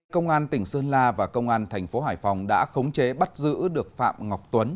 công an tỉnh sơn la và công an thành phố hải phòng đã khống chế bắt giữ được phạm ngọc tuấn